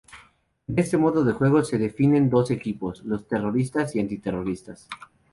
En este modo de juego se definen dos equipos: los "Terroristas" y "Anti-Terroristas".